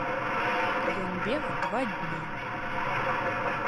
Ён бег два дні.